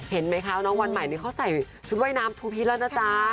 เห็นไหมคะน้องวันใหม่นี่เขาใส่ชุดว่ายน้ำทูพีชแล้วนะจ๊ะ